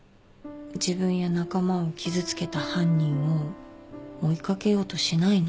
自分や仲間を傷つけた犯人を追い掛けようとしないの。